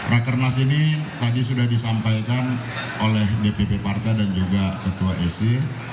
rakernas ini tadi sudah disampaikan oleh dpp partai dan juga ketua sc